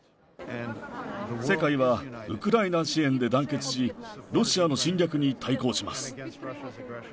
世界はウクライナ支援で団結し、ロシアの侵略に対抗します。